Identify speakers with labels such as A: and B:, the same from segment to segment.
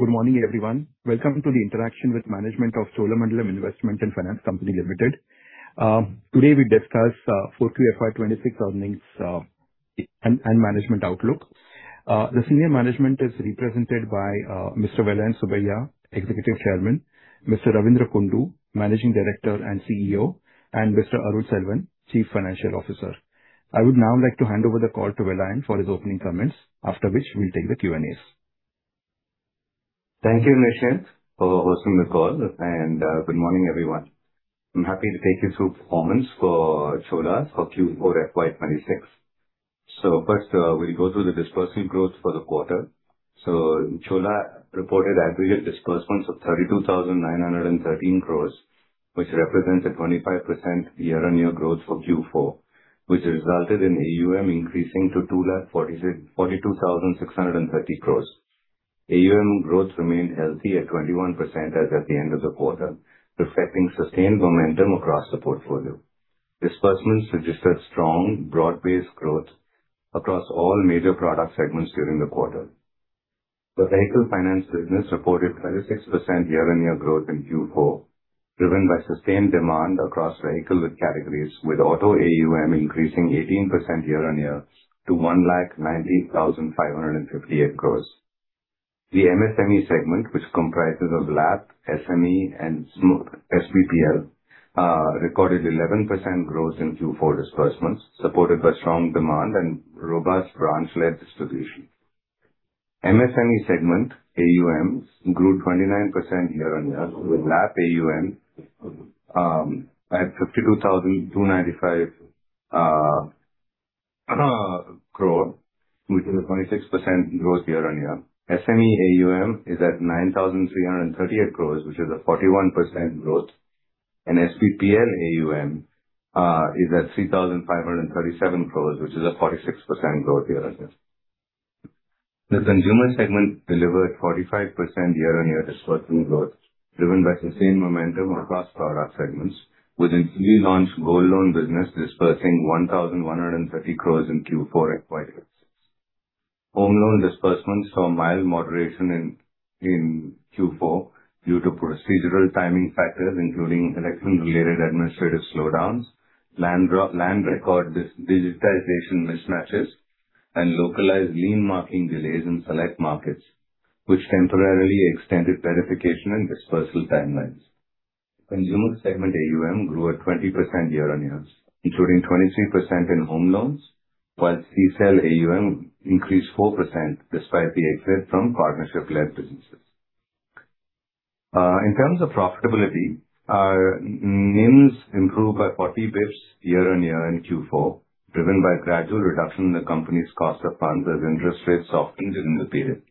A: Good morning, everyone. Welcome to the interaction with management of Cholamandalam Investment and Finance Company Limited. Today we discuss for FY 2026 earnings and management outlook. The senior management is represented by Mr. Vellayan Subbiah, Executive Chairman, Mr. Ravindra Kundu, Managing Director and CEO, and Mr. Arul Selvan, Chief Financial Officer. I would now like to hand over the call to Vellayan for his opening comments, after which we'll take the Q&As.
B: Thank you, Nischint, for hosting the call, and good morning, everyone. I'm happy to take you through performance for Chola for Q4 FY 2026. First, we'll go through the disbursement growth for the quarter. Chola reported aggregate disbursements of 32,913 crores, which represents a 25% year-on-year growth for Q4, which resulted in AUM increasing to 2,42,630 crores. AUM growth remained healthy at 21% as at the end of the quarter, reflecting sustained momentum across the portfolio. Disbursement suggested strong broad-based growth across all major product segments during the quarter. The vehicle finance business reported 36% year-on-year growth in Q4, driven by sustained demand across vehicle categories, with auto AUM increasing 18% year-on-year to 1,90,558 crores. The MSME segment, which comprises of LAP, SME, and SBPL, recorded 11% growth in Q4 disbursements, supported by strong demand and robust branch-led distribution. MSME segment AUMs grew 29% year-on-year, with LAP AUM at INR 52,295 crore, which is a 26% growth year-on-year. SME AUM is at 9,338 crores, which is a 41% growth. SBPL AUM is at 3,537 crores, which is a 46% growth year-on-year. The consumer segment delivered 45% year-on-year disbursement growth, driven by sustained momentum across product segments, with a newly launched gold loan business disbursing 1,130 crores in Q4 FY 2026. Home Loan disbursements saw mild moderation in Q4 due to procedural timing factors, including election-related administrative slowdowns, land record digitization mismatches, and localized lien marking delays in select markets, which temporarily extended verification and dispersal timelines. Consumer segment AUM grew at 20% year-on-year, including 23% in Home Loans, while CSEL AUM increased 4% despite the exit from partnership-led businesses. In terms of profitability, our NIMs improved by 40 basis points year-on-year in Q4, driven by gradual reduction in the company's cost of funds as interest rates softened during the period.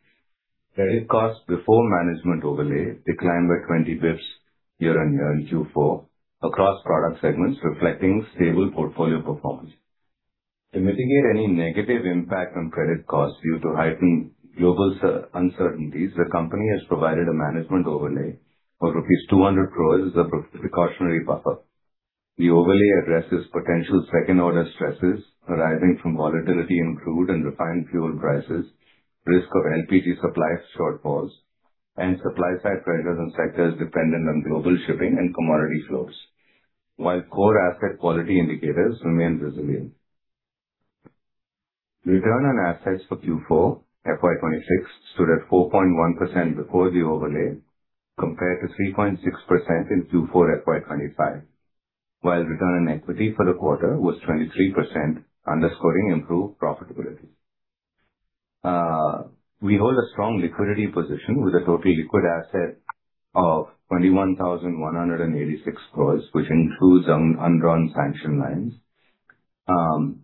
B: Credit cost before management overlay declined by 20 basis points year-on-year in Q4 across product segments, reflecting stable portfolio performance. To mitigate any negative impact on credit costs due to heightened global uncertainties, the company has provided a management overlay for rupees 200 crores as a precautionary buffer. The overlay addresses potential second-order stresses arising from volatility in crude and refined fuel prices, risk of LPG supply shortfalls, and supply-side pressures on sectors dependent on global shipping and commodity flows, while core asset quality indicators remain resilient. Return on assets for Q4 FY 2026 stood at 4.1% before the overlay, compared to 3.6% in Q4 FY 2025, while return on equity for the quarter was 23%, underscoring improved profitability. We hold a strong liquidity position with a total liquid asset of 21,186 crore, which includes undrawn sanction lines.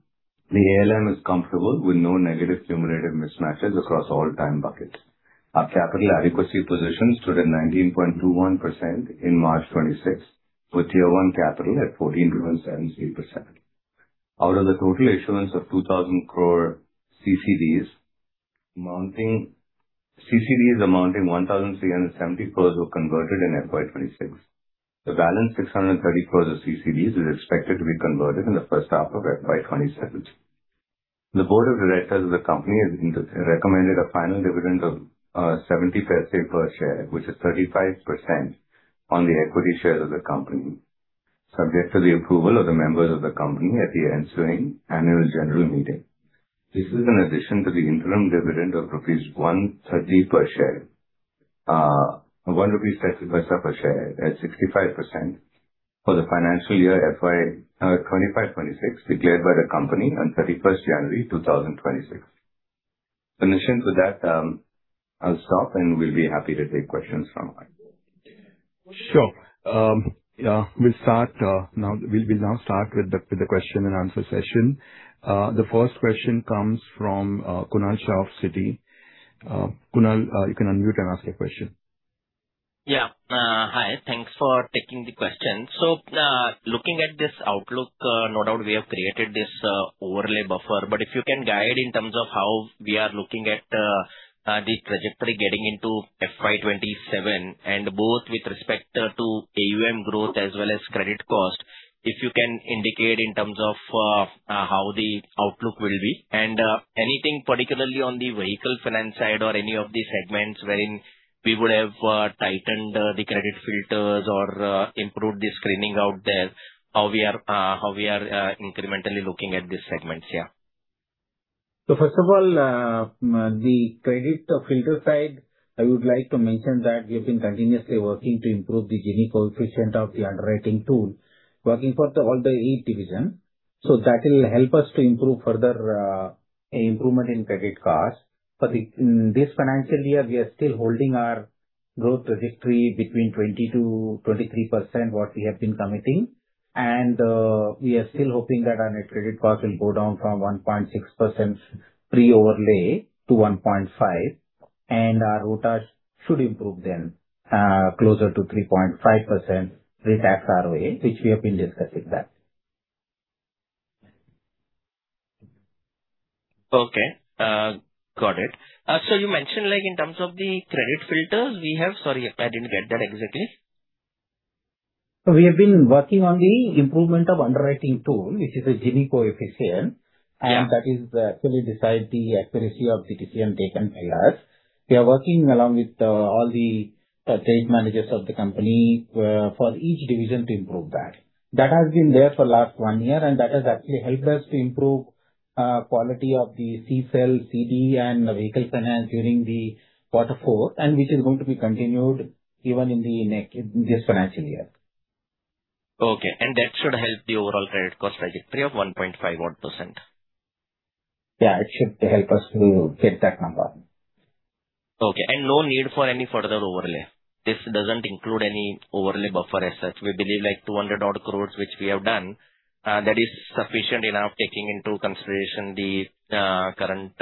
B: The ALM is comfortable with no negative cumulative mismatches across all time buckets. Our capital adequacy position stood at 19.21% in March 2026, with Tier 1 capital at 14.73%. Out of the total issuance of 2,000 crore CCDs amounting 1,370 crores were converted in FY 2026. The balance 630 crores of CCDs is expected to be converted in the first half of FY 2027. The board of directors of the company has recommended a final dividend of 0.70 per share, which is 35% on the equity share of the company, subject to the approval of the members of the company at the ensuing annual general meeting. This is in addition to the interim dividend of 1.30 rupees per share at 65% for the financial year FY 2025-2026 declared by the company on January 31, 2026. Nischint, with that, I'll stop and we'll be happy to take questions from it.
A: Sure. Yeah, we'll start now. We'll be now start with the question-and-answer session. The first question comes from Kunal Shah of Citi. Kunal, you can unmute and ask your question.
C: Yeah. Hi. Thanks for taking the question. Looking at this outlook, no doubt we have created this overlay buffer, but if you can guide in terms of how we are looking at the trajectory getting into FY 2027 and both with respect to AUM growth as well as credit cost. If you can indicate in terms of how the outlook will be and anything particularly on the vehicle finance side or any of the segments wherein we would have tightened the credit filters or improved the screening out there, how we are incrementally looking at these segments. Yeah.
D: First of all, the credit filter side, I would like to mention that we have been continuously working to improve the Gini coefficient of the underwriting tool, working for all the eight divisions. That will help us to improve further improvement in credit cost. In this financial year, we are still holding our growth trajectory between 20%-23%, what we have been committing. We are still hoping that our net credit cost will go down from 1.6% pre-overlay to 1.5%, and our ROTAs should improve then closer to 3.5% pre-tax ROA, which we have been discussing that.
C: Okay. Got it. You mentioned, like, in terms of the credit filters we have. Sorry, I didn't get that exactly.
D: We have been working on the improvement of underwriting tool, which is a Gini coefficient.
C: Yeah.
D: That is actually decide the accuracy of decision taken by us. We are working along with all the trade managers of the company for each division to improve that. That has been there for last one year, and that has actually helped us to improve quality of the CSEL CD and Vehicle Finance during the Q4 and which is going to be continued even in the next this financial year.
C: Okay. That should help the overall credit cost trajectory of 1.5%-odd.
D: Yeah, it should help us to get that number.
C: Okay. No need for any further overlay. This doesn't include any overlay buffer as such. We believe like 200 odd crores, which we have done, that is sufficient enough taking into consideration the current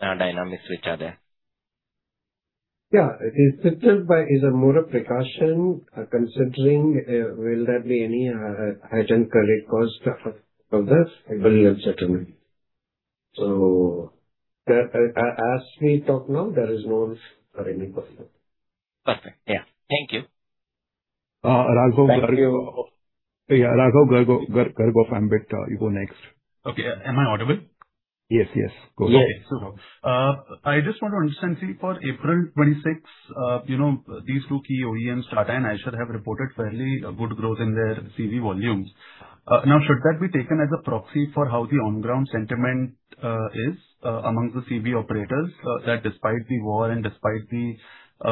C: dynamics which are there.
D: Yeah. It is shifted by is a more a precaution, considering will there be any higher credit cost for the settlement. As we talk now, there is no need for any buffer.
C: Perfect. Yeah. Thank you.
A: Raghav.
C: Thank you.
A: Yeah. Raghav Garg of Ambit, you go next.
E: Okay. Am I audible?
A: Yes, yes. Go for it.
E: Okay. I just want to understand, see, for April 26, you know, these two key OEMs, Tata and Eicher, have reported fairly good growth in their CV volumes. Now should that be taken as a proxy for how the on-ground sentiment is among the CV operators, that despite the war and despite the,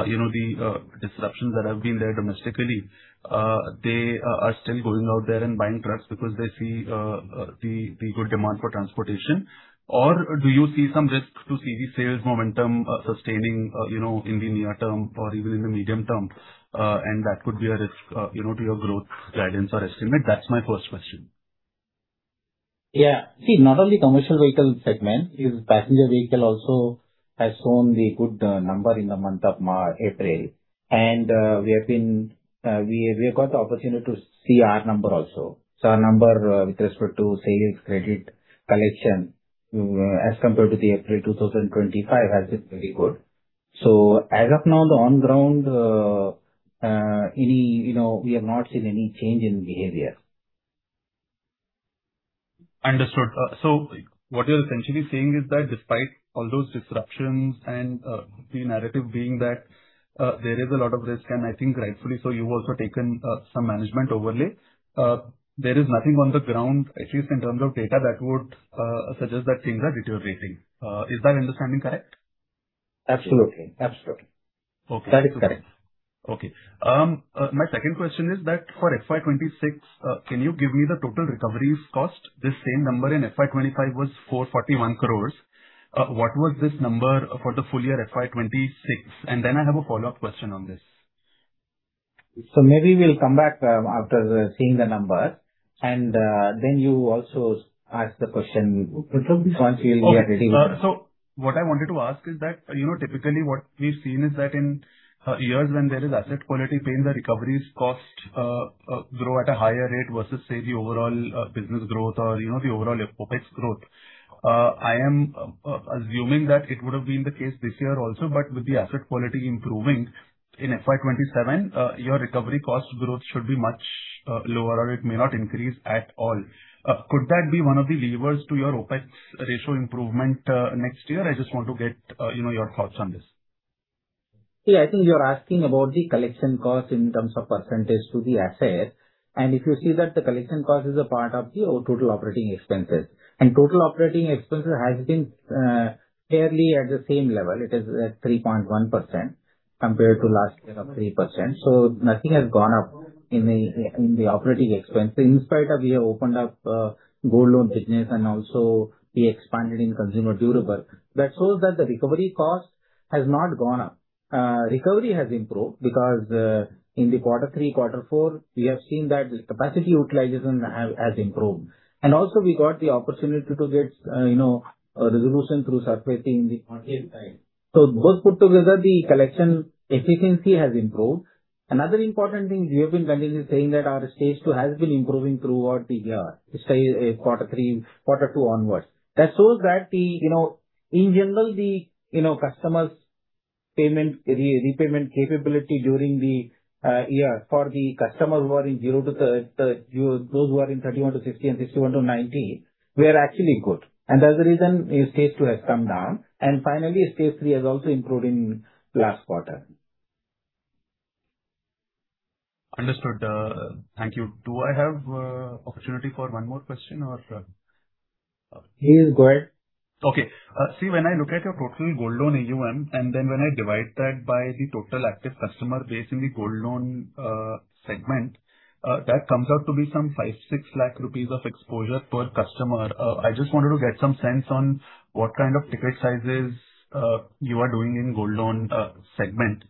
E: you know, the disruptions that have been there domestically, they are still going out there and buying trucks because they see the good demand for transportation? Do you see some risk to CV sales momentum sustaining, you know, in the near term or even in the medium term, and that could be a risk, you know, to your growth guidance or estimate?
D: Yeah. See, not only commercial vehicle segment, is passenger vehicle also has shown the good number in the month of April. We have got the opportunity to see our number also. Our number with respect to sales, credit, collection, as compared to the April 2025 has been very good. As of now, the on ground, any, you know, we have not seen any change in behavior.
E: Understood. What you're essentially saying is that despite all those disruptions and the narrative being that there is a lot of risk, and I think rightfully so, you've also taken some management overlay. There is nothing on the ground, at least in terms of data, that would suggest that things are deteriorating. Is that understanding correct?
D: Absolutely. Absolutely.
E: Okay.
D: That is correct.
E: Okay. My second question is that for FY 2026, can you give me the total recoveries cost? The same number in FY 2025 was 441 crores. What was this number for the full year FY 2026? Then I have a follow-up question on this.
D: Maybe we'll come back, after seeing the numbers and, then you also ask the question.
E: Okay.
D: Once we are ready.
E: What I wanted to ask is that, you know, typically what we've seen is that in years when there is asset quality pain, the recoveries cost grow at a higher rate versus say the overall business growth or, you know, the overall OpEx growth. I am assuming that it would have been the case this year also, but with the asset quality improving in FY 2027, your recovery cost growth should be much lower or it may not increase at all. Could that be one of the levers to your OpEx ratio improvement next year? I just want to get, you know, your thoughts on this.
D: Yeah. I think you're asking about the collection cost in terms of percentage to the asset. If you see that the collection cost is a part of the total operating expenses. Total operating expenses has been fairly at the same level. It is at 3.1% compared to last year of 3%. Nothing has gone up in the operating expense. In spite of we have opened up gold loan business and also we expanded in consumer durable. That shows that the recovery cost has not gone up. Recovery has improved because in the quarter three, quarter four, we have seen that the capacity utilization has improved. Also we got the opportunity to get, you know, a resolution through servicing in the current time. Both put together, the collection efficiency has improved. Another important thing, we have been continuously saying that our stage two has been improving throughout the year, say quarter three, quarter two onwards. That shows that the, you know, in general, the, you know, customers payment, repayment capability during the year for the customer who are in zero to those who are in 31-60 and 61-90, we are actually good. That's the reason, stage two has come down. Finally, stage three has also improved in last quarter.
E: Understood. Thank you. Do I have opportunity for one more question?
D: Please go ahead.
E: Okay. See, when I look at your total gold loan AUM, and then when I divide that by the total active customer base in the gold loan segment, that comes out to be some 5 lakh, 6 lakh rupees of exposure per customer. I just wanted to get some sense on what kind of ticket sizes you are doing in gold loan segment.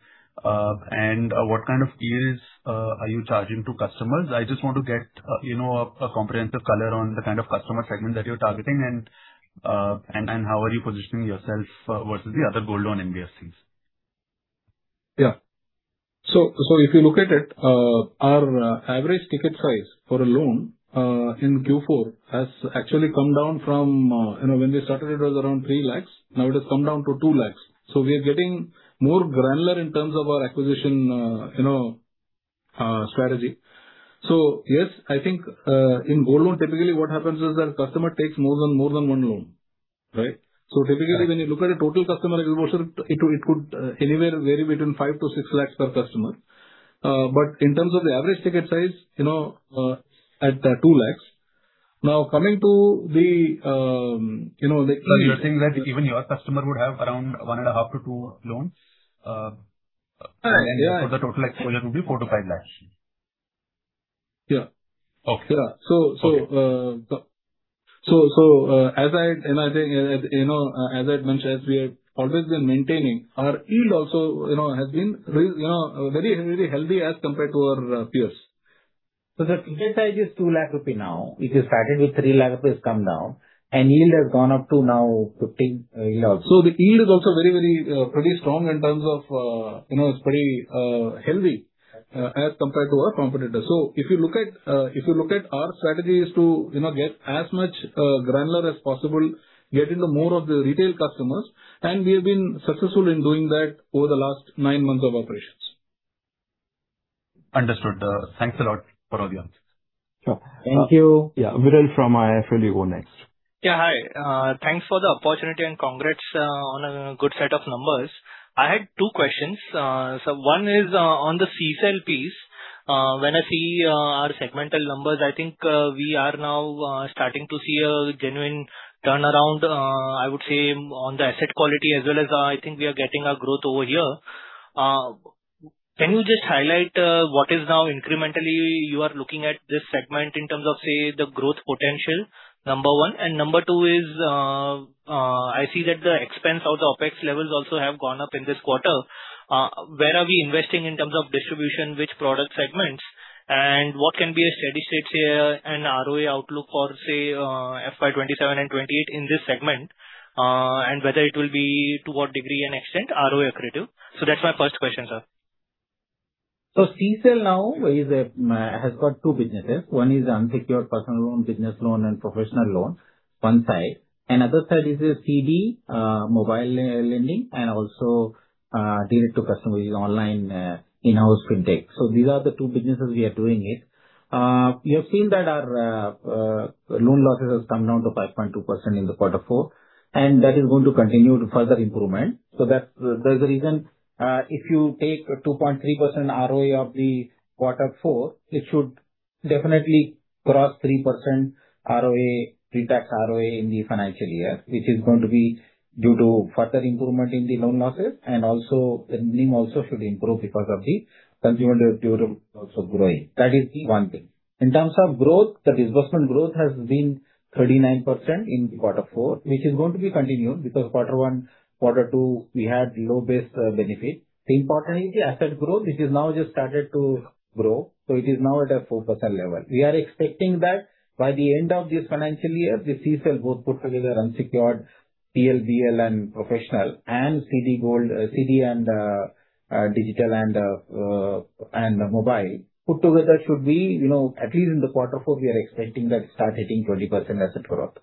E: What kind of fees are you charging to customers? I just want to get, you know, a comprehensive color on the kind of customer segment that you're targeting and how are you positioning yourself versus the other gold loan NBFCs.
F: Yeah. If you look at it, our average ticket size for a loan in Q4 has actually come down from when we started it was around 3 lakhs, now it has come down to 2 lakhs. We are getting more granular in terms of our acquisition strategy. Yes, I think, in gold loan, typically what happens is that customer takes more than one loan, right? Typically, when you look at a total customer exposure, it could anywhere vary between 5 lakhs-6 lakhs per customer. In terms of the average ticket size, at 2 lakhs.
E: Sir, you're saying that even your customer would have around 1.5-2 Loans?
F: Yeah.
E: The total exposure would be 4 lakhs-5 lakhs.
F: Yeah.
E: Okay.
F: Yeah. I think, you know, as I had mentioned, as we have always been maintaining, our yield also, you know, has been you know, very healthy as compared to our peers.
D: The ticket size is 2 lakh rupee now. It has started with 3 lakh rupees, it has come down, and yield has gone up to now 15 yield also.
F: The yield is also very, very pretty strong in terms of, you know, it's pretty healthy as compared to our competitor. If you look at our strategy is to, you know, get as much granular as possible, get into more of the retail customers, and we have been successful in doing that over the last nine months of operations.
E: Understood. Thanks a lot for all the answers.
F: Sure.
D: Thank you.
F: Yeah.
A: Viral from IIFL Finance.
G: Hi. Thanks for the opportunity and congrats on a good set of numbers. I had two questions. One is on the CSEL piece. When I see our segmental numbers, I think we are now starting to see a genuine turnaround, I would say on the asset quality as well as I think we are getting our growth over here. Can you just highlight what is now incrementally you are looking at this segment in terms of, say, the growth potential? Number one. Number two is, I see that the expense of the OpEx levels also have gone up in this quarter. Where are we investing in terms of distribution, which product segments, and what can be a steady state here and ROE outlook for, say, FY 2027 and 2028 in this segment, and whether it will be to what degree and extent ROE accretive? That's my first question, sir.
D: CSEL now is a has got two businesses. One is unsecured personal loan, business loan, and professional loan, one side. Other side is the CD, mobile lending, and also, D2C is online, in-house fintech. These are the two businesses we are doing it. You have seen that our loan losses has come down to 5.2% in the quarter four, and that is going to continue to further improvement. That's, that's the reason, if you take a 2.3% ROE of the quarter four, it should definitely cross 3% ROA, pre-tax ROA in the financial year, which is going to be due to further improvement in the loan losses and also the lending also should improve because of the consumer durable also growing. That is the one thing. In terms of growth, the disbursement growth has been 39% in quarter four, which is going to be continued because quarter one, quarter two, we had low base benefit. The important is the asset growth, which is now just started to grow, so it is now at a 4% level. We are expecting that by the end of this financial year, the CSEL both put together unsecured PL, BL and professional and CD gold, CD and digital and mobile put together should be, you know, at least in the quarter four, we are expecting that start hitting 20% asset growth.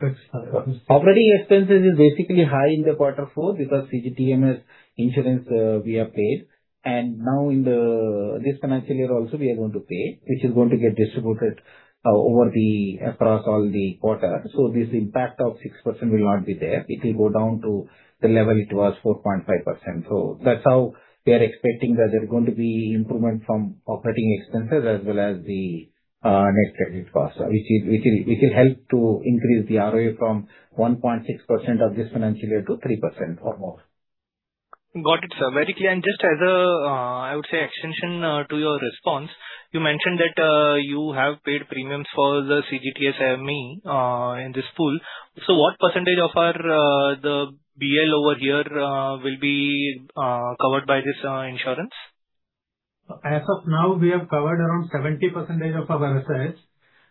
G: That's fine. Understood.
D: Operating expenses is basically high in the quarter four because CGTMSE insurance we have paid. Now in the this financial year also we are going to pay, which is going to get distributed across all the quarters. This impact of 6% will not be there. It will go down to the level it was, 4.5%. That's how we are expecting that there's going to be improvement from operating expenses as well as the net credit cost, which will help to increase the ROE from 1.6% of this financial year to 3% or more.
G: Got it, sir. Very clear. Just as a, I would say, extension, to your response, you mentioned that, you have paid premiums for the CGTMSE I have made, in this pool. What percentage of our, the BL over here, will be, covered by this, insurance?
F: As of now, we have covered around 70% of our assets.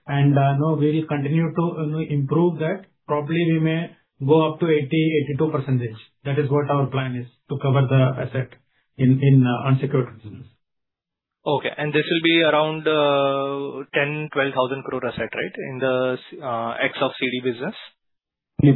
F: Now we'll continue to improve that. Probably we may go up to 80-82%. That is what our plan is, to cover the asset in unsecured business.
G: Okay. This will be around 10,000 crore-12,000 crore asset, right? In the ex of CD business.
F: No,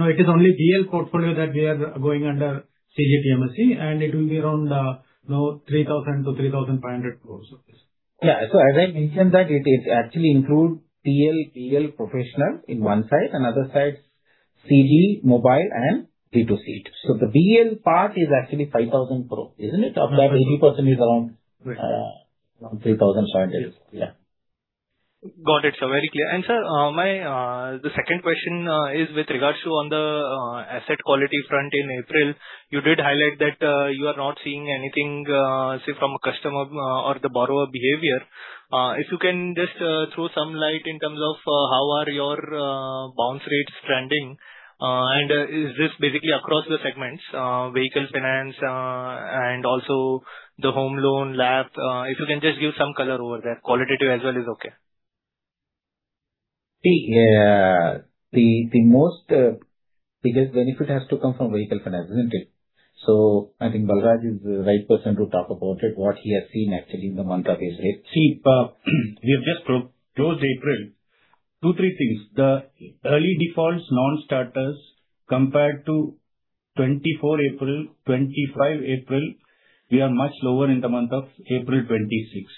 F: it is only VL portfolio that we are going under CGTMSE, and it will be around, you know, 3,000 crore-3,500 crore of this.
D: Yeah. As I mentioned that it actually include PL, BL professional in one side and other side CD, mobile and D2C. The BL part is actually 5,000 crore, isn't it? Of that 80% is around-
F: Right.
D: Around 3,500. Yeah.
G: Got it, sir. Very clear. Sir, my the second question is with regards to on the asset quality front in April. You did highlight that you are not seeing anything, say, from a customer, or the borrower behavior. If you can just throw some light in terms of how are your bounce rates trending, is this basically across the segments, vehicle finance, and also the home loan LAP. If you can just give some color over there. Qualitative as well is okay.
D: See, the most biggest benefit has to come from vehicle finance, isn't it? I think Balraj is the right person to talk about it, what he has seen actually in the month of April.
H: See, we have just closed April. Two, three things. The early defaults non-starters compared to 2024 April, 2025 April, we are much lower in the month of April 2026.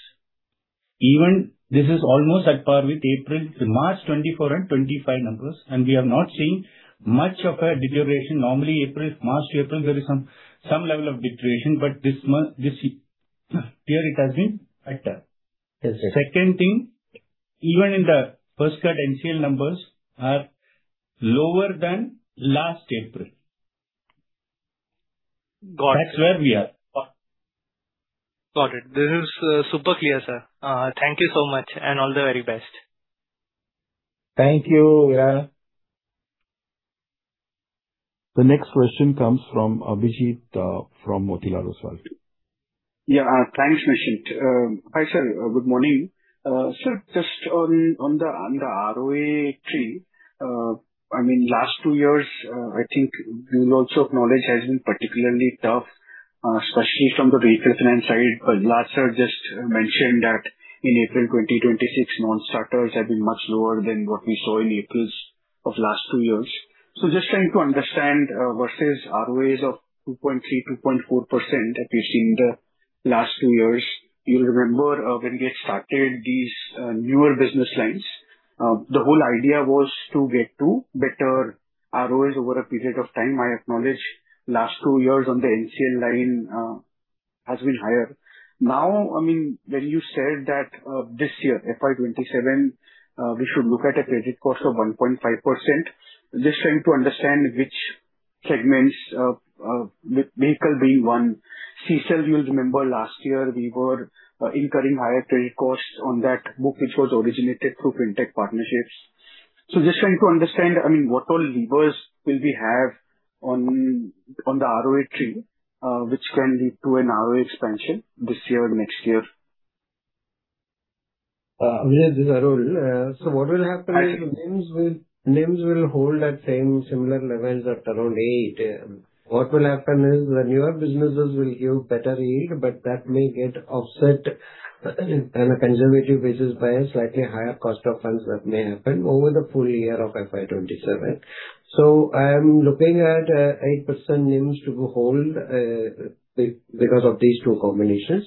H: Even this is almost at par with April to March 2024 and 2025 numbers, and we have not seen much of a deterioration. Normally April, March to April, there is some level of deterioration, but this month, this year it has been better.
D: Yes, sir.
H: Second thing, even in the first card NCL numbers are lower than last April.
G: Got it.
H: That's where we are.
G: Got it. This is super clear, sir. Thank you so much and all the very best.
D: Thank you, Viral
A: The next question comes from Abhijit, from Motilal Oswal.
I: Yeah. Thanks, Nischint. Hi, sir. Good morning. Sir, just on the ROE tree, I mean, last two years, I think build also of Cholamandalam has been particularly tough, especially from the vehicle finance side. Last, sir, just mentioned that in April 2026, non-starters have been much lower than what we saw in Aprils of last two years. Just trying to understand, versus ROEs of 2.3%, 2.4% that we've seen the last two years. You'll remember, when we had started these, newer business lines, the whole idea was to get to better ROEs over a period of time. I acknowledge last two years on the NCL line, has been higher. I mean, when you said that, this year, FY 2027, we should look at a credit cost of 1.5%, just trying to understand which segments, with vehicle being one. CSEL, you'll remember last year we were incurring higher credit costs on that book which was originated through FinTech partnerships. Just trying to understand, I mean, what all levers will we have on the ROE tree, which can lead to an ROE expansion this year or next year?
J: Uh, this is Arul. Uh, so what will happen-
I: Actually-
J: NIMs will hold at same similar levels at around 8%. What will happen is the newer businesses will give better yield, but that may get offset on a conservative basis by a slightly higher cost of funds that may happen over the full year of FY 2027. I am looking at 8% NIMs to hold because of these two combinations.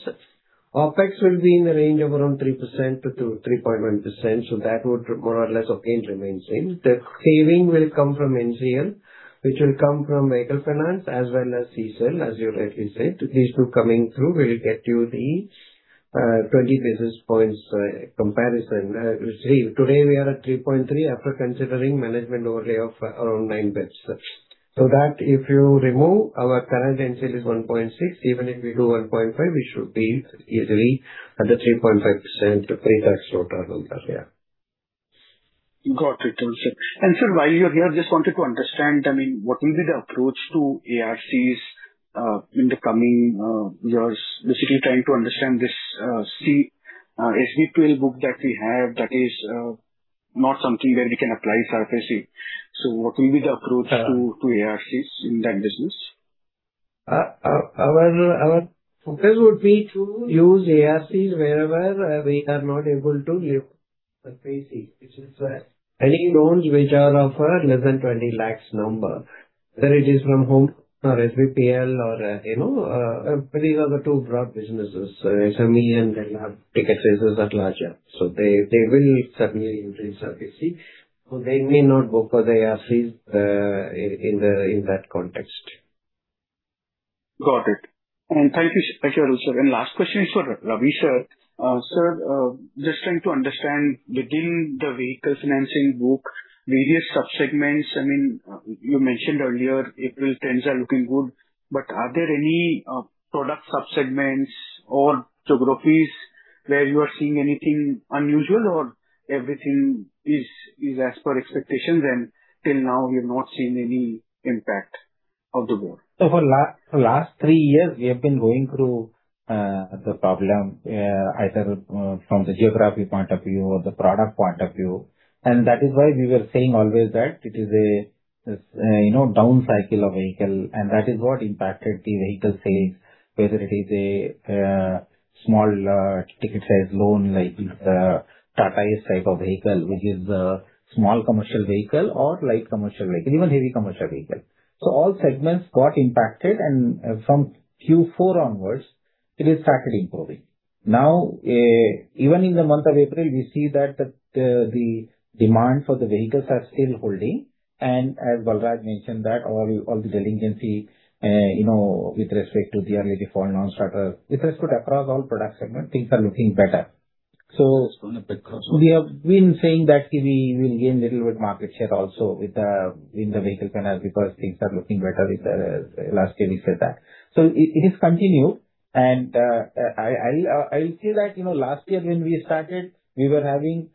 J: OpEx will be in the range of around 3%-3.1%, that would more or less again remain same. The saving will come from NCL, which will come from vehicle finance as well as CSEL, as you rightly said. These two coming through will get you the 20 basis points comparison. You see today we are at 3.3% after considering management overlay of around 9 basis. If you remove our current NCL is 1.6%, even if we do 1.5%, we should be easily at the 3.5% pre-tax total number. Yeah.
I: Got it. Sir, while you're here, just wanted to understand, I mean, what will be the approach to ARCs in the coming years. Basically trying to understand this SBPL book that we have that is not something where we can apply SARFAESI. What will be the approach to ARCs in that business?
D: Our focus would be to use ARCs wherever we are not able to SARFAESI, which is any loans which are of less than 20 lakhs, whether it is from HL or SBPL. You know, these are the two broad businesses. SME, and then ticket sizes are larger. So they will certainly increase SARFAESI. So they may not go for the ARCs in that context.
I: Got it. Thank you, sir. Last question is for Ravi, sir. Sir, just trying to understand within the vehicle financing book, various sub-segments. I mean, you mentioned earlier Tata Ace are looking good, but are there any product sub-segments or geographies where you are seeing anything unusual or everything is as per expectations and till now you've not seen any impact?
D: For last three years, we have been going through the problem, either from the geographic point of view or the product point of view. That is why we were saying always that it is a, you know, down cycle of vehicle, and that is what impacted the vehicle sales, whether it is a small ticket size loan like the Tata Ace type of vehicle, which is a small commercial vehicle or light commercial vehicle, even heavy commercial vehicle. All segments got impacted and from Q4 onwards it has started improving. Even in the month of April, we see that the demand for the vehicles are still holding. As Balraj mentioned that all the delinquency, you know, with respect to the early default non-starters, with respect across all product segment, things are looking better. We have been saying that we will gain little bit market share also with the, in the vehicle finance because things are looking better with the last year we said that. It is continued. I'll say that, you know last year when we started, we were having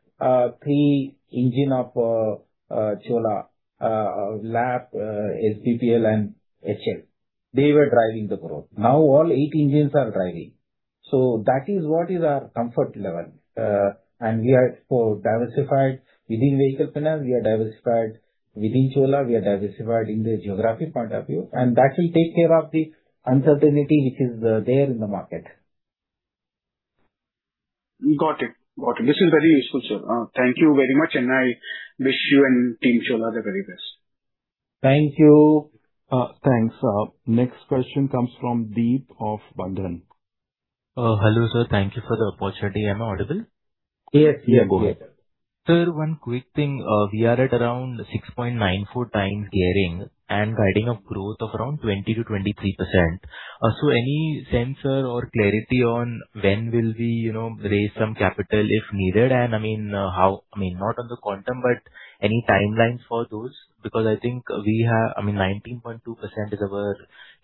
D: three engine of Chola, LAP, SBPL and HL. They were driving the growth. Now all eight engines are driving. That is what is our comfort level. We are so diversified within vehicle finance, we are diversified within Chola, we are diversified in the geographic point of view, and that will take care of the uncertainty which is there in the market.
I: Got it. This is very useful, sir. Thank you very much, and I wish you and team Chola the very best.
D: Thank you.
A: Thanks. Next question comes from Deep of Bandhan.
K: Hello sir. Thank you for the opportunity. Am I audible?
D: Yes, yes. Go ahead.
K: Sir, one quick thing. We are at around 6.94x gearing and guiding a growth of around 20%-23%. Any sense or clarity on when will we, you know, raise some capital if needed? I mean, not on the quantum, but any timelines for those? I think we have, I mean, 19.2% is our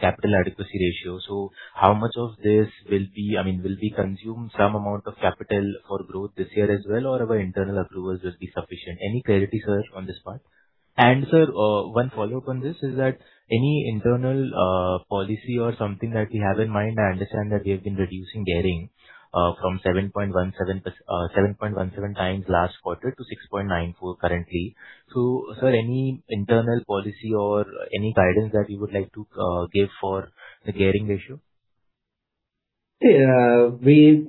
K: capital adequacy ratio. How much of this will be, I mean, will we consume some amount of capital for growth this year as well, or our internal approvals will be sufficient? Any clarity, sir, on this part? Sir, one follow-up on this is that any internal policy or something that we have in mind, I understand that we have been reducing gearing from 7.17x last quarter to 6.94x currently. Sir, any internal policy or any guidance that you would like to give for the gearing ratio?
D: We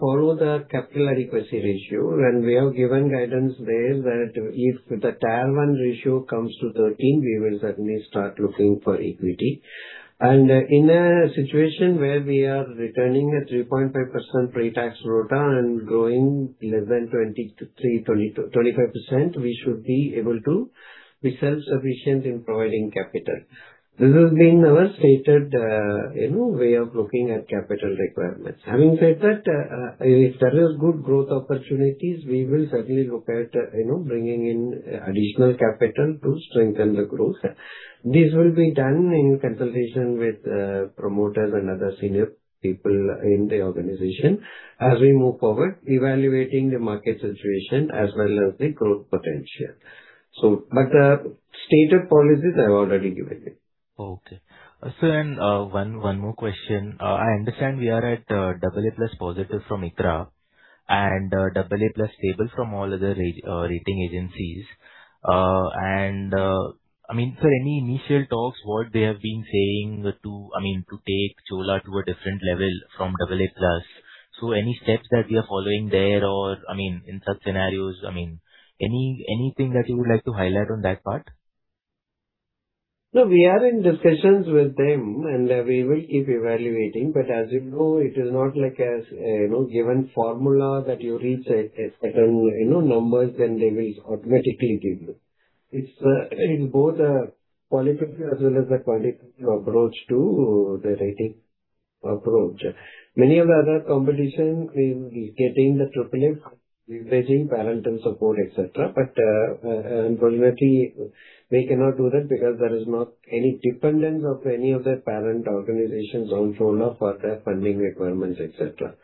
D: follow the capital adequacy ratio, we have given guidance there that if the tier one ratio comes to 13%, we will certainly start looking for equity. In a situation where we are returning a 3.5% pre-tax return and growing less than 20%-25%, we should be able to be self-sufficient in providing capital. This has been our stated, you know, way of looking at capital requirements. Having said that, if there is good growth opportunities, we will certainly look at, you know, bringing in additional capital to strengthen the growth. This will be done in consultation with promoters and other senior people in the organization as we move forward, evaluating the market situation as well as the growth potential. But stated policies I've already given you.
K: Okay. Sir, one more question. I understand we are at AA+ positive from ICRA and AA+ stable from all other rating agencies. I mean, sir, any initial talks what they have been saying to, I mean, to take Chola to a different level from AA+. Any steps that we are following there or, I mean, in such scenarios, I mean, anything that you would like to highlight on that part?
D: We are in discussions with them and we will keep evaluating. As you know, it is not like a, you know, given formula that you reach a certain, you know, numbers then they will automatically do this. It's in both a qualitative as well as a quantitative approach to the rating approach. Many of the other competition is getting the AAA leveraging parental support, etc. Unfortunately, we cannot do that because there is not any dependence of any of their parent organizations on Chola for their funding requirements, etc.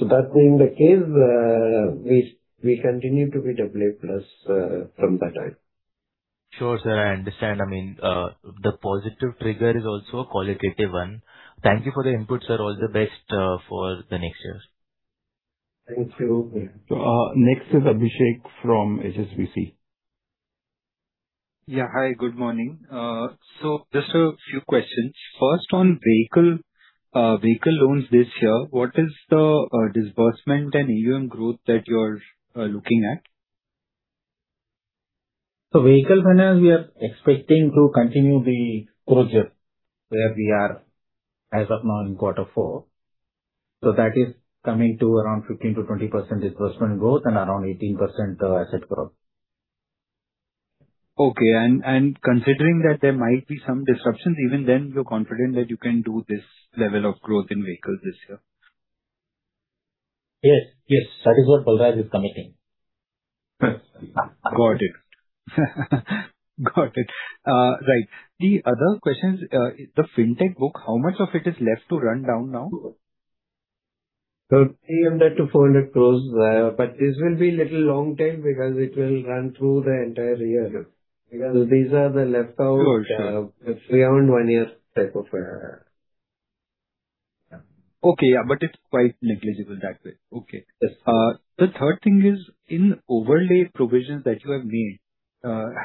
D: That being the case, we continue to be AA+ from their end.
K: Sure, sir, I understand. I mean, the positive trigger is also a qualitative one. Thank you for the inputs, sir. All the best for the next year.
D: Thank you.
A: Next is Abhishek from HSBC.
L: Yeah. Hi, good morning. Just a few questions. First on vehicle loans this year, what is the disbursement and AUM growth that you are looking at?
D: Vehicle finance we are expecting to continue the good job where we are as of now in quarter four. That is coming to around 15%-20% disbursement growth and around 18% asset growth.
L: Okay. Considering that there might be some disruptions, even then you're confident that you can do this level of growth in vehicles this year?
D: Yes, yes. That is what Balraj is committing.
L: Got it. Got it. Right. The other questions, the FinTech book, how much of it is left to run down now?
D: 300 crore-400 crore there, but this will be little long-term because it will run through the entire year.
L: Sure, sure.
D: Beyond one year type of-
L: Okay, yeah. It's quite negligible that way. Okay.
D: Yes.
L: The third thing is in overlay provisions that you have made,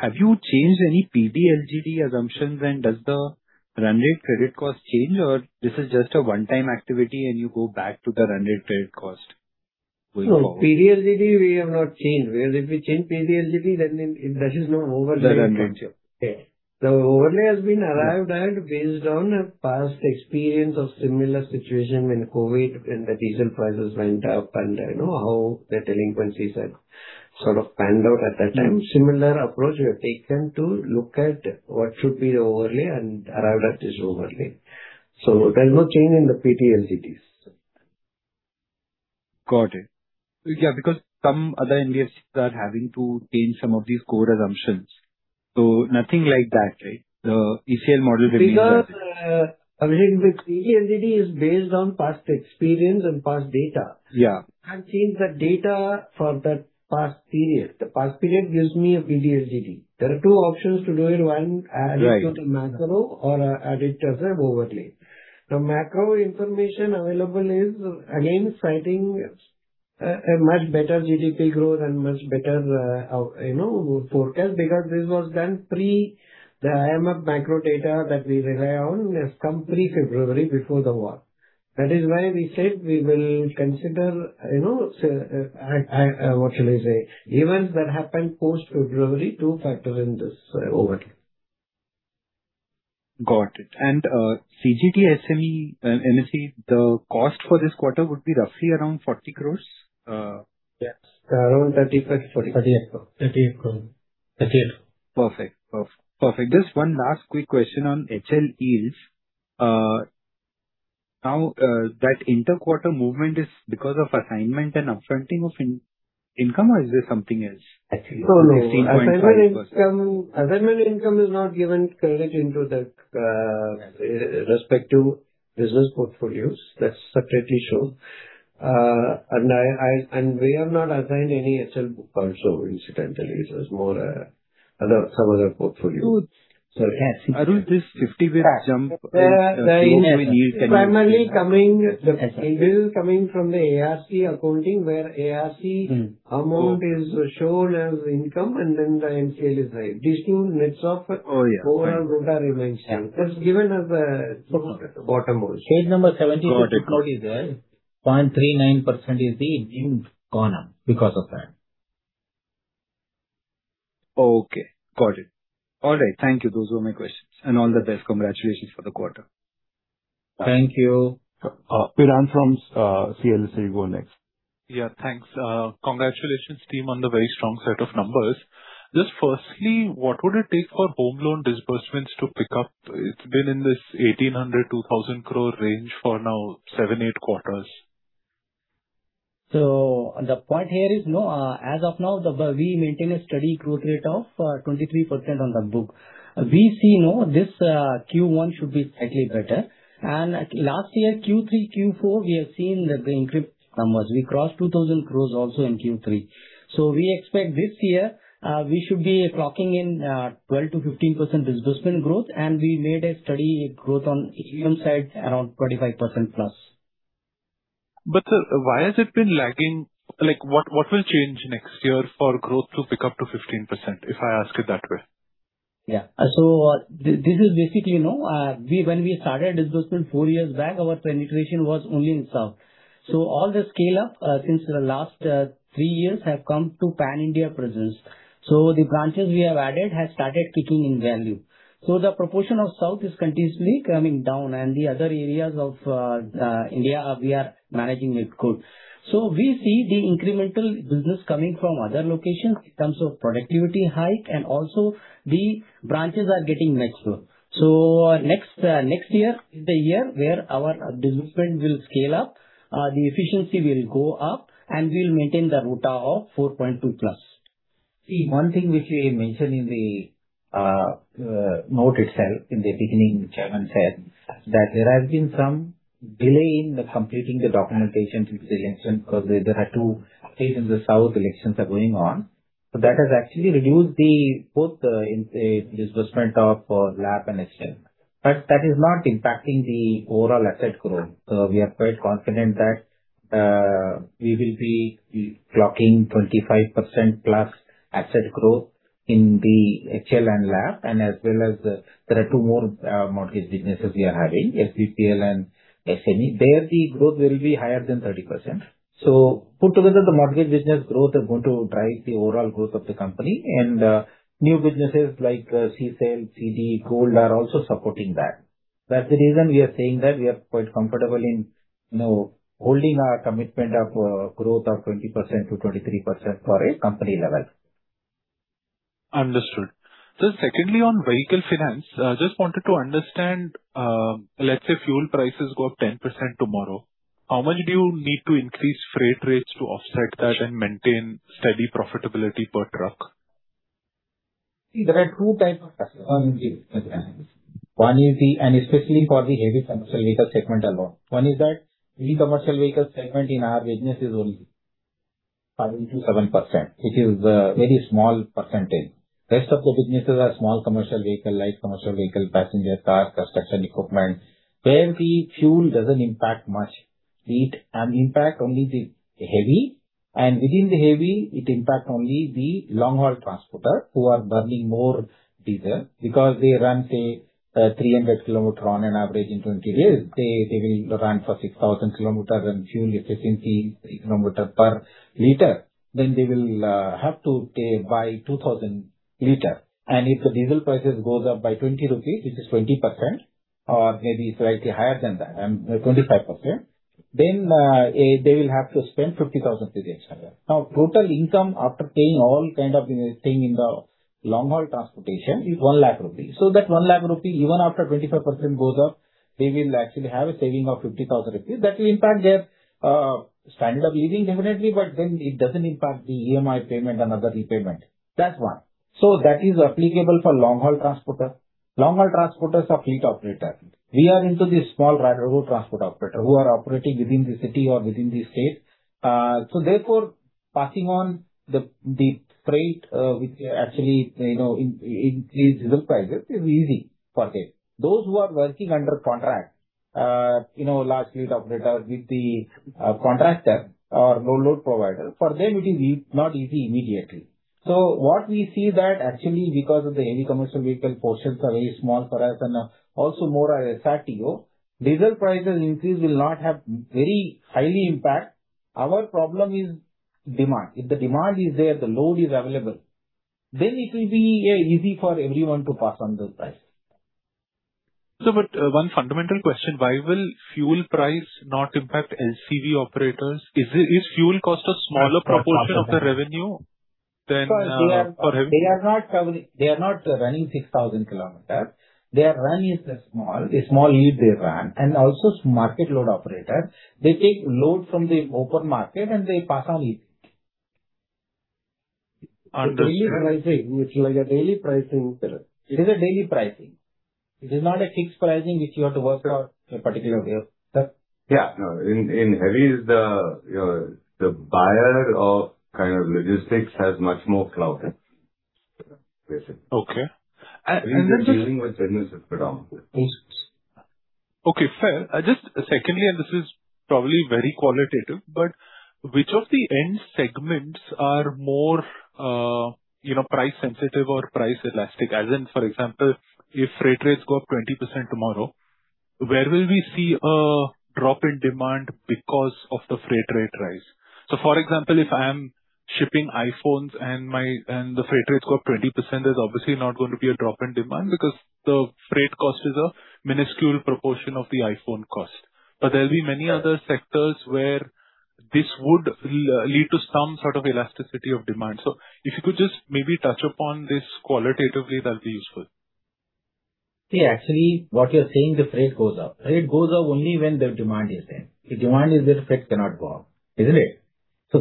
L: have you changed any PDLGD assumptions and does the run rate credit cost change or this is just a one-time activity and you go back to the run rate credit cost going forward?
D: No. PDLGD we have not changed. Where if we change PDLGD, then, that is no overlay concept.
L: Got it.
D: Yeah. The overlay has been arrived at based on a past experience of similar situation when COVID, when the diesel prices went up and you know how the delinquencies had sort of panned out at that time.
L: Mm-hmm.
D: Similar approach we have taken to look at what should be the overlay and arrived at this overlay. There's no change in the PDLGDs.
L: Got it. Yeah, because some other NBFCs are having to change some of these core assumptions. Nothing like that, right? The ECL model remains the same.
D: Because, Abhinav, the PDLGD is based on past experience and past data.
L: Yeah.
D: I've changed the data for that past period. The past period gives me a PDLGD. There are two options to do it. One-
L: Right.
D: ...add it to the macro or, add it as an overlay. The macro information available is again citing a much better GDP growth and much better, you know, forecast because this was done pre the IMF macro data that we rely on has come pre-February before the war. That is why we said we will consider, you know, what should I say? Events that happened post-February to factor in this overlay.
L: Got it. CGTMSE, NSE, the cost for this quarter would be roughly around 40 crores.
D: Yes. Around 35 crore, 40 crore.
J: 38 crore. 38 crore.
D: 38 crore.
L: Perfect. Perfect. Perfect. Just one last quick question on HL is, now, that inter quarter movement is because of assignment and upfronting of income or is there something else? No, no. 3.5%.
D: Assignment income, assignment income is not given credit into that respective business portfolios. That's separate issue. We have not assigned any HL book also incidentally. It's more some other portfolio.
J: Sorry.
L: Arulselvan D, this 50 basis point jump.
D: The income is primarily coming.
J: SLB.
D: This is coming from the ARC accounting where ARC amount is shown as income and then the NCL is written. This nets off.
L: Oh, yeah.
D: Overall ROA remains same. That's given as a bottom line.
J: Page number 76 note is there.
L: Got it.
J: 0.39% is the incurred because of that.
L: Okay. Got it. All right. Thank you. Those were my questions. All the best. Congratulations for the quarter.
D: Thank you.
A: Piran from CLSA, you go next.
M: Yeah, thanks. Congratulations team on the very strong set of numbers. Firstly, what would it take for Home Loan disbursements to pick up? It's been in this 1,800 crore-2,000 crore range for now seven, eight quarters.
N: The point here is, no, as of now, we maintain a steady growth rate of 23% on the book. We see now this Q1 should be slightly better. Last year, Q3, Q4, we have seen the increased numbers. We crossed 2,000 crores also in Q3. We expect this year, we should be clocking in 12%-15% disbursement growth. We made a steady growth on HLM side around 25%+.
M: Sir, why has it been lagging? Like, what will change next year for growth to pick up to 15%, if I ask it that way?
N: Yeah. This is basically, you know, when we started disbursement four years back, our penetration was only in South. All the scale-up, since the last three years have come to pan-India presence. The branches we have added has started kicking in value. The proportion of South is continuously coming down, and the other areas of India we are managing it good. We see the incremental business coming from other locations in terms of productivity hike, and also the branches are getting mature. Next, next year is the year where our disbursement will scale up, the efficiency will go up, and we'll maintain the ROA of 4.2+.
D: See, one thing which we mentioned in the note itself in the beginning, Chairman said that there has been some delay in completing the documentation since the election because there are two states in the South elections are going on. That has actually reduced the both in disbursement of LAP and HL. That is not impacting the overall asset growth. We are quite confident that we will be clocking 25%+ asset growth in the HL and LAP and as well as, there are two more mortgage businesses we are having, SBPL and SME. There the growth will be higher than 30%. Put together the mortgage business growth are going to drive the overall growth of the company. New businesses like CSEL, CD, Gold are also supporting that. That's the reason we are saying that we are quite comfortable in, you know, holding our commitment of growth of 20% to 23% for a company level.
M: Understood. Just secondly on vehicle finance, just wanted to understand, let's say fuel prices go up 10% tomorrow. How much do you need to increase freight rates to offset that and maintain steady profitability per truck?
D: There are two types of customers. One is the, and especially for the heavy commercial vehicle segment alone. One is that the commercial vehicle segment in our business is only 5%-7%. It is a very small percentage. Rest of the businesses are small commercial vehicle, light commercial vehicle, passenger car, construction equipment where the fuel doesn't impact much. It impact only the heavy, and within the heavy it impact only the long-haul transporter who are burning more diesel because they run, say, 300 km on an average in 20 days. They will run for 6,000 km and fuel efficiency km per liter. They will have to pay by 2,000 L. If the diesel prices goes up by 20 rupees, which is 20% or maybe slightly higher than that, 25%, they will have to spend 50,000 rupees extra. Total income after paying all kind of thing in the long-haul transportation is 1 lakh rupee. That 1 lakh rupee, even after 25% goes up, they will actually have a saving of 50,000 rupees. That will impact their standard of living definitely, it doesn't impact the EMI payment and other repayment. That's one. That is applicable for long-haul transporter. Long-haul transporters are fleet operator. We are into the SRTO who are operating within the city or within the state. Passing on the freight, which actually, you know, increase diesel prices is easy for them. Those who are working under contract, you know, large fleet operators with the contractor or load provider, for them it is not easy immediately. What we see that actually because of the heavy commercial vehicle portions are very small for us and also more are SRTO. Diesel prices increase will not have very highly impact. Our problem is demand. If the demand is there, the load is available, then it will be, yeah, easy for everyone to pass on those price.
M: Sir, one fundamental question. Why will fuel price not impact LCV operators? Is fuel cost a smaller proportion of the revenue than for heavy-
D: They are not traveling. They are not running 6,000 km. Their run is small. A small yield they run. Also market load operator, they take load from the open market and they pass on it.
M: Understood.
B: Daily pricing. It's like a daily pricing, Piran.
D: It is a daily pricing. It is not a fixed pricing which you have to work out a particular way. Sir?
B: Yeah, no. In heavies the buyer of kind of logistics has much more clout, Piran. Basically.
M: Okay.
B: It's the dealing with vendors predominantly.
M: Okay, fair. Just secondly, this is probably very qualitative, but which of the end segments are more, you know, price sensitive or price elastic? As in, for example, if freight rates go up 20% tomorrow, where will we see a drop in demand because of the freight rate rise? For example, if I am shipping iPhones and my, and the freight rates go up 20%, there's obviously not going to be a drop in demand because the freight cost is a minuscule proportion of the iPhone cost. There'll be many other sectors where this would lead to some sort of elasticity of demand. If you could just maybe touch upon this qualitatively, that'll be useful.
D: See, actually what you're saying, the freight goes up. Freight goes up only when the demand is there. If demand is there, freight cannot go up, isn't it?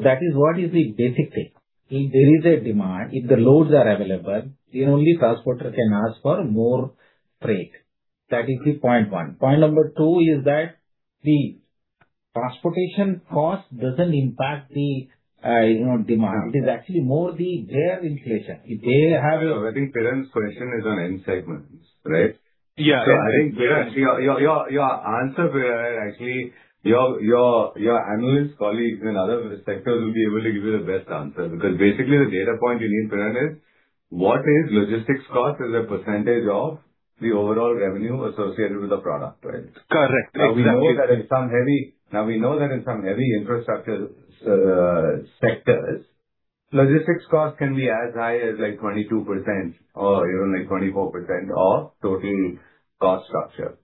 D: That is what is the basic thing. If there is a demand, if the loads are available, then only transporter can ask for more freight. That is the point one. Point number two is that the transportation cost doesn't impact the, you know, demand. It is actually more the, their inflation.
B: I think Piran's question is on end segments, right?
M: Yeah.
B: I think, Piran, your answer, Piran, actually your analyst colleagues in other sectors will be able to give you the best answer. Basically the data point you need, Piran, is what is logistics cost as a percentage of the overall revenue associated with the product, right?
M: Correct.
B: Now we know that in some heavy infrastructure sectors, logistics cost can be as high as like 22% or even like 24% of total cost structure.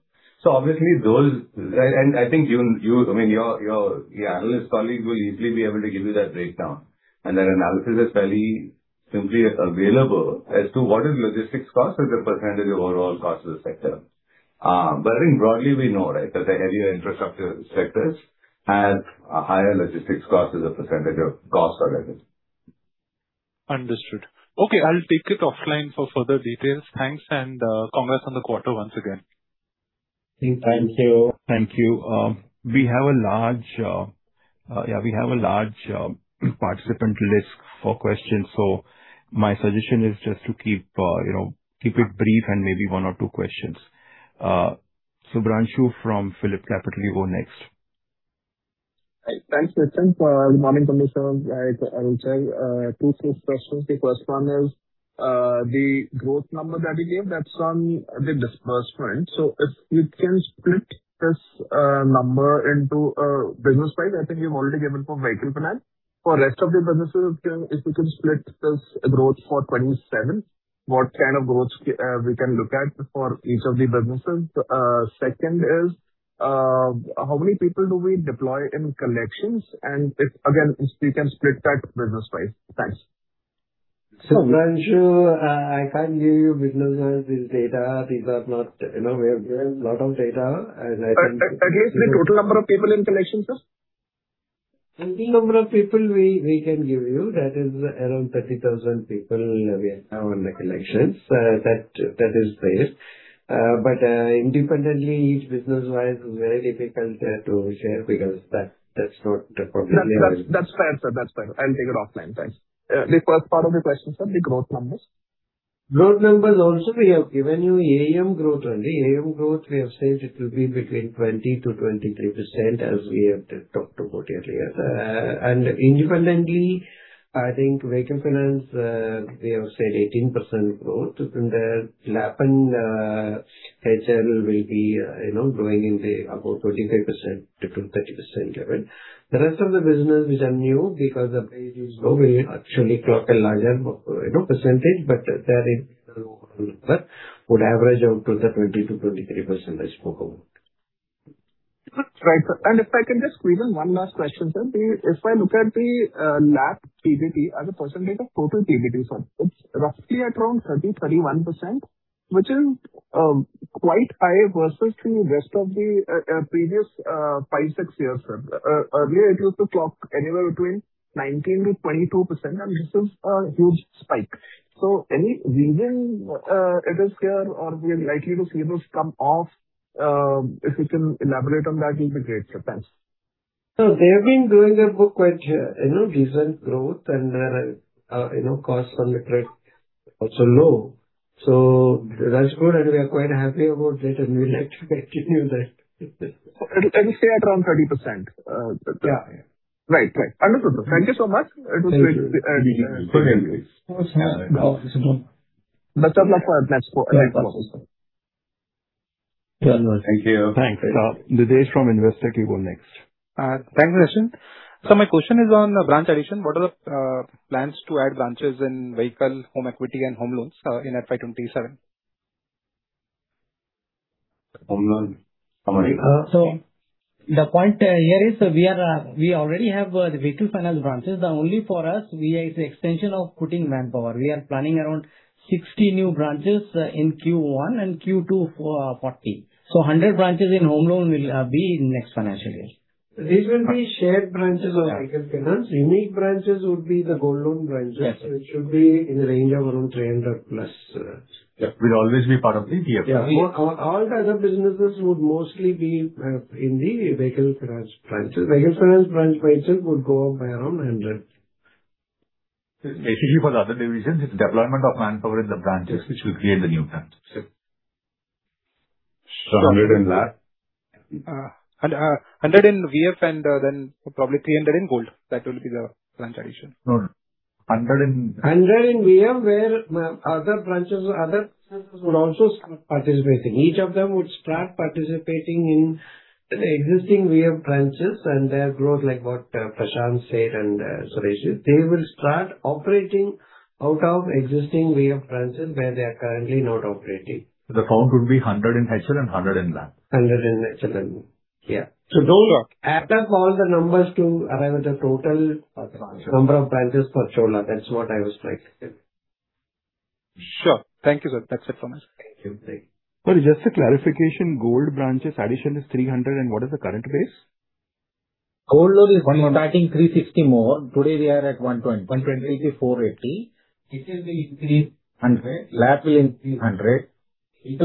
B: Right, and I think you, I mean, your analyst colleague will easily be able to give you that breakdown. That analysis is fairly simply available as to what is logistics cost as a percentage of overall cost of the sector. I think broadly we know, right? That the heavier infrastructure sectors have a higher logistics cost as a percentage of cost or revenue.
M: Understood. Okay, I'll take it offline for further details. Thanks. Congrats on the quarter once again.
D: Thanks. Thank you.
A: Thank you. We have a large participant list for questions. My suggestion is just to keep, you know, keep it brief and maybe one or two questions. Shubhranshu from PhillipCapital, you go next.
O: Hi. Thanks, Piran, for Morning, commissioners. I'll ask two, three questions. The first one is, the growth number that you gave, that's on the disbursement. If you can split this number into business-wise. I think you've already given for vehicle finance. For rest of the businesses, if you can split this growth for 2027, what kind of growth we can look at for each of the businesses? Second is, how many people do we deploy in collections? If, again, you can split that business-wise. Thanks.
D: Shubhranshu, I can't give you business-wise this data. You know, we have given lot of data.
O: Just the total number of people in collection, sir.
D: The number of people we can give you that is around 30,000 people we have now on the collections. That is there. Independently each business-wise very difficult to share because that's not the problem.
O: That's fine, sir. That's fine. I'll take it offline. Thanks. The first part of the question, sir, the growth numbers.
D: Growth numbers also we have given you AUM growth only. AUM growth we have said it will be between 20%-23% as we have talked about earlier. Independently, I think vehicle finance, we have said 18% growth. Then LAP and HL will be, you know, growing in the about 25%-30% level. The rest of the business which are new because the base is low will actually clock a larger, you know, percentage, but that is the overall number would average out to the 20%-23% I spoke about.
O: Right, sir. If I can just squeeze in one last question, sir. If I look at the LAP PBT as a percentage of total PBT, sir, it's roughly at around 30%-31%, which is quite high versus the rest of the previous five, six years, sir. Earlier it used to clock anywhere between 19%-22% and this is a huge spike. Any reason it is here or we are likely to see this come off? If you can elaborate on that, it'll be great, sir. Thanks.
D: No, they have been doing their book quite, you know, decent growth and, you know, cost on the credit also low. That's good and we are quite happy about that and we would like to continue that.
O: It'll stay around 30%?
D: Yeah.
O: Right. Right. Understood, sir. Thank you so much. It was great.
D: Thank you.
O: And, uh- For having me. Best of luck for the next quarter.
D: Thank you.
A: Thanks. Vijay from Investor Table next.
P: Thanks, Nischint. My question is on branch addition. What are the plans to add branches in vehicle, home equity and Home Loans in FY 2027?
D: Home loan, Aman.
F: The point here is we already have the vehicle finance branches. The only for us we are is the extension of putting manpower. We are planning around 60 new branches in Q1 and Q2, 40. 100 branches in Home Loan will be next financial year. These will be shared branches of vehicle finance. Unique branches would be the gold loan branches.
N: Yes.
D: Which should be in the range of around 300+. Yeah. Will always be part of the VF. Yeah. All the other businesses would mostly be in the vehicle finance branches. Vehicle finance branch by itself would go up by around 100.
J: For the other divisions, it's deployment of manpower in the branches which will create the new branch.
D: Sure.
J: 100 in LAP.
P: 100 in VF and then probably 300 in gold. That will be the branch addition.
J: No, no. 100.
D: 100 in VF where other branches would also start participating. Each of them would start participating in existing VF branches and their growth like what Prashant said and Suresh is they will start operating out of existing VF branches where they are currently not operating.
J: The count would be 100 in HL and 100 in LAP.
D: 100 in HL. Yeah. Don't add up all the numbers.
A: Okay.
D: Number of branches for Chola. That's what I was trying to say.
P: Sure. Thank you, sir. That's it from us.
D: Thank you.
A: Well, just a clarification. Gold branches addition is 300. What is the current base?
D: Gold loan is starting 360 more. Today we are at 120. 120 into 480. HL will increase 100. LAP will increase 100. It will be increased 49.
N: Since only retail and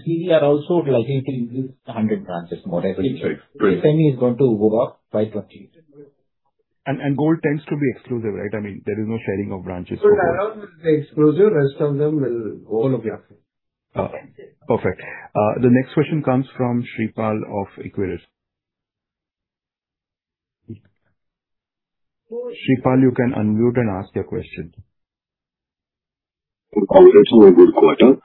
N: CV are also likely to increase 100 branches more every year.
A: Right. Great.
J: This time is going to go up by 20.
A: Gold tends to be exclusive, right? I mean, there is no sharing of branches for gold.
D: Gold alone will be exclusive. Rest of them will all be-
N: All of them.
A: Oh, perfect. The next question comes from Shreepal of Equirus. Shreepal, you can unmute and ask your question.
Q: Congrats on a good quarter.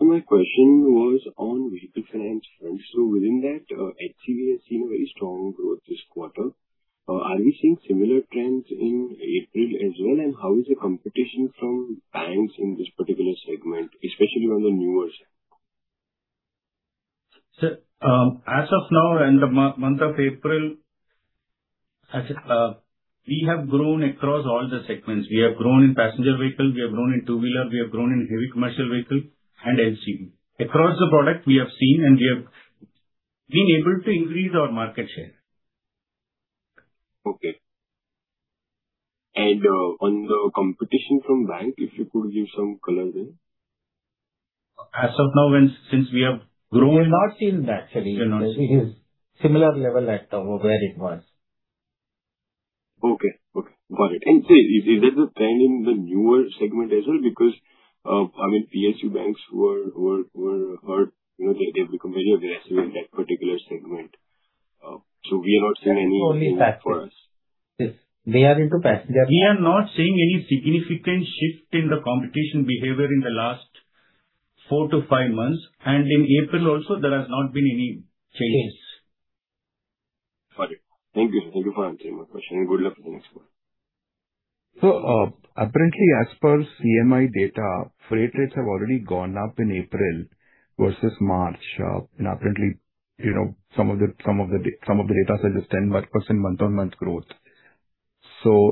Q: My question was on vehicle finance front. Within that, HCV has seen a very strong growth this quarter. Are we seeing similar trends in April as well? How is the competition from banks in this particular segment, especially on the newer side?
D: Sir, as of now and the month of April, we have grown across all the segments. We have grown in passenger vehicle, we have grown in two-wheeler, we have grown in heavy commercial vehicle and LCV. Across the product we have seen and we have been able to increase our market share.
Q: Okay. On the competition from bank, if you could give some color there.
D: As of now, since we have grown.
N: We have not seen that actually.
Q: You have not seen.
N: It is similar level at where it was.
Q: Okay. Okay, got it. Is there the trend in the newer segment as well? Because, I mean PSU banks were heard, you know, they've become very aggressive in that particular segment. We are not seeing any impact for us.
N: Only passenger. Yes. They are into passenger.
D: We are not seeing any significant shift in the competition behavior in the last four to five months. In April also there has not been any change.
Q: Got it. Thank you. Thank you for answering my question, and good luck for the next quarter.
A: Apparently as per CMI data, freight rates have already gone up in April versus March. Apparently, you know, some of the data suggests 10%+ month-on-month growth.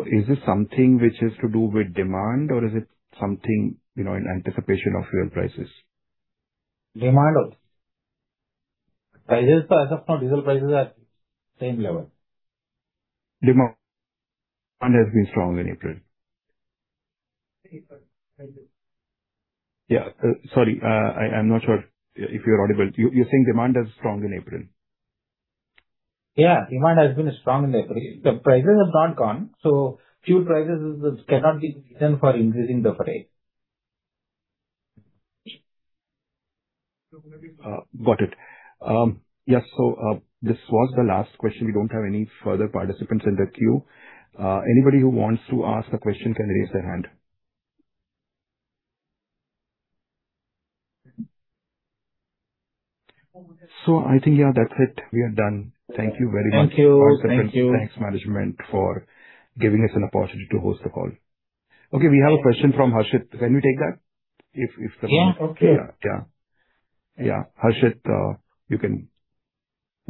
A: Is this something which has to do with demand or is it something, you know, in anticipation of fuel prices?
D: Demand also. Prices as of now, diesel prices are same level.
A: Demand has been strong in April.
D: Sorry, what?
A: Yeah. sorry, I'm not sure if you're audible. You're saying demand is strong in April?
D: Yeah, demand has been strong in April. The prices have not gone, so fuel prices is, cannot be reason for increasing the freight.
A: Got it. Yes. This was the last question. We don't have any further participants in the queue. Anybody who wants to ask a question can raise their hand. I think, yeah, that's it. We are done. Thank you very much.
D: Thank you. Thank you.
A: Thanks management for giving us an opportunity to host the call. Okay. We have a question from Harshit. Can we take that? If.
D: Yeah. Okay.
A: Yeah, yeah. Yeah. Harshit, you can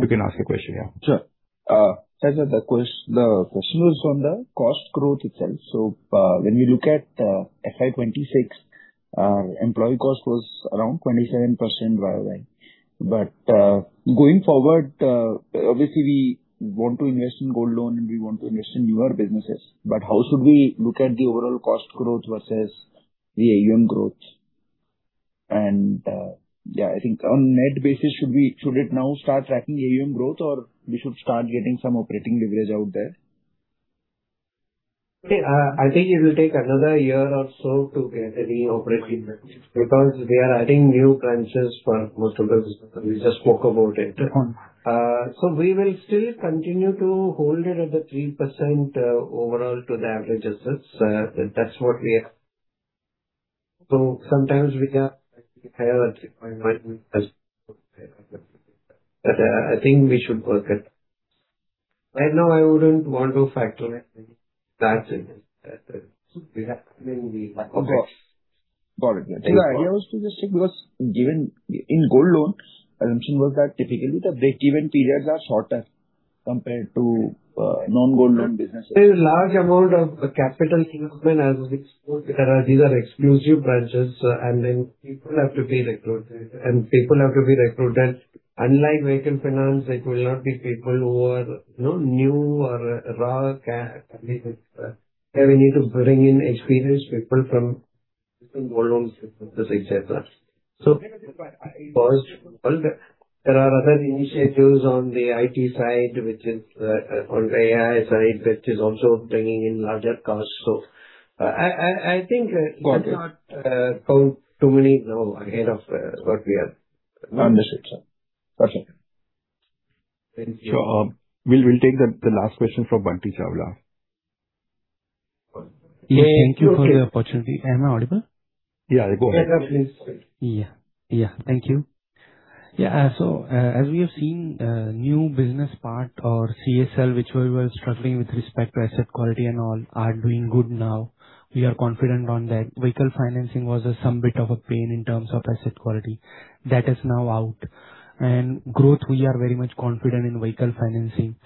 A: ask your question. Yeah.
R: Sure. Sir, the question is on the cost growth itself. When we look at FY 2026, employee cost was around 27% YoY. Going forward, obviously we want to invest in gold loan and we want to invest in newer businesses. How should we look at the overall cost growth versus the AUM growth? Yeah, I think on net basis, should it now start tracking AUM growth or we should start getting some operating leverage out there?
D: Okay. I think it will take another year or so to get any operating leverage because we are adding new branches for most of the businesses. We just spoke about it.
R: Uh-huh.
D: We will still continue to hold it at the 3% overall to the average assets. That's what we are. Sometimes we are actually higher than 3.9%. I think we should work at that. Right now, I wouldn't want to factor in any targets.
R: Of course. Got it. The idea was to just check because given in gold loans, assumption was that typically the break-even periods are shorter compared to non-gold loan businesses.
D: There's large amount of capital commitment as we spoke. These are exclusive branches, and then people have to be recruited. Unlike vehicle finance, it will not be people who are, you know, new or raw can be recruited. We need to bring in experienced people from different gold loan systems, etc. First of all, there are other initiatives on the IT side, which is on AI side, which is also bringing in larger costs.
R: Got it.
D: Let's not count too many ahead of what we are.
R: Understood, sir. Perfect.
D: Thank you.
A: We'll take the last question from Bunty Chawla.
D: Yeah.
S: Yeah, thank you for the opportunity. Am I audible?
A: Yeah, go ahead.
D: Yeah, definitely.
S: Thank you. As we have seen, new business part or CSEL, which we were struggling with respect to asset quality and all are doing good now. We are confident on that. Vehicle financing was some bit of a pain in terms of asset quality. That is now out. Growth, we are very much confident in vehicle financing.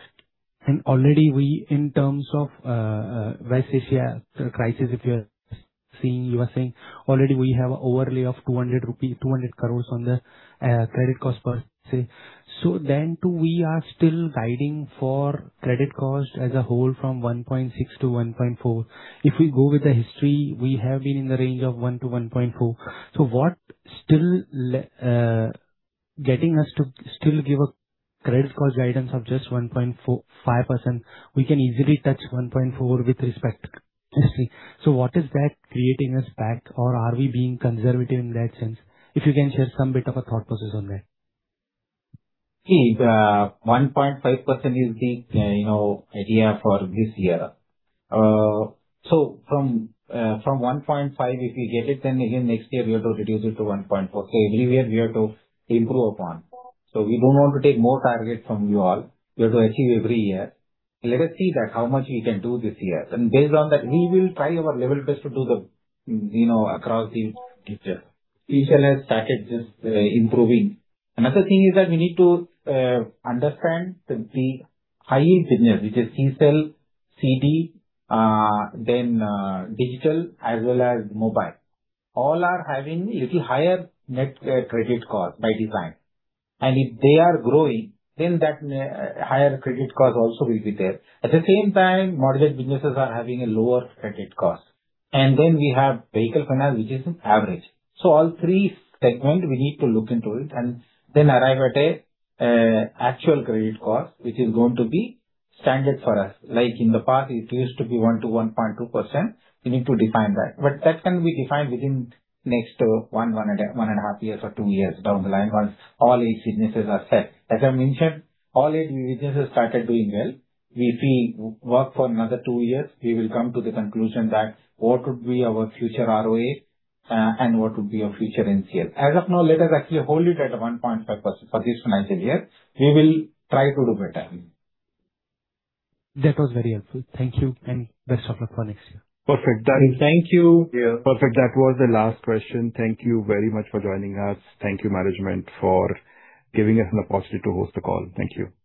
S: Already we, in terms of West Asia crisis, if you're seeing, you are seeing already we have overlay of 200 crore on the credit cost policy. We are still guiding for credit cost as a whole from 1.6%-1.4%. If we go with the history, we have been in the range of 1%-1.4%. What still getting us to still give a credit cost guidance of just 1.45%, we can easily touch 1.4% with respect to history? What is that creating us back or are we being conservative in that sense? If you can share some bit of a thought process on that.
D: See, the 1.5% is the, you know, idea for this year. From 1.5%, if we get it, then again next year we have to reduce it to 1.4%. Every year we have to improve upon. We don't want to take more target from you all. We have to achieve every year. Let us see that how much we can do this year. Based on that, we will try our level best to do the, you know, across the future. CSEL has started just improving. Another thing is that we need to understand the high yield business, which is CSEL, CD, then digital as well as mobile. All are having little higher net credit cost by design. If they are growing, then that higher credit cost also will be there. At the same time, mortgage businesses are having a lower credit cost. Then we have vehicle finance, which is an average. All three segment we need to look into it and then arrive at a actual credit cost which is going to be standard for us. Like in the past it used to be 1%-1.2%. We need to define that. That can be defined within next 1.5 years or two years down the line once all these businesses are set. As I mentioned, all these new businesses started doing well. We see work for another two years, we will come to the conclusion that what would be our future ROA and what would be our future NCL. As of now, let us actually hold it at a 1.5% for this financial year. We will try to do better.
S: That was very helpful. Thank you and best of luck for next year.
D: Perfect. Done. Thank you.
A: Yeah. Perfect. That was the last question. Thank you very much for joining us. Thank you Management for giving us an opportunity to host the call. Thank you.